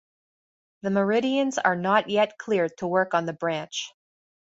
The Meridians are not yet cleared to work on the branch.